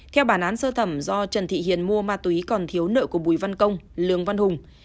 theo bản án sơ thẩm do trần thị hiền mua ma túy còn thiếu nợ của bùi văn công lường văn hùng